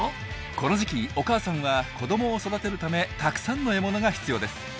この時期お母さんは子どもを育てるためたくさんの獲物が必要です。